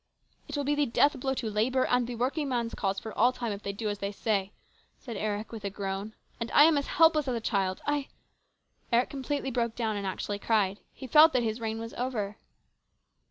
" It will be the deathblow to labour and the working man's cause for all time if they do as they say," said Eric with a groan. " And I am as helpless as a child. I " Eric completely broke down, and actually cried. He felt that his reign was over.